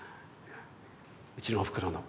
うちのおふくろの。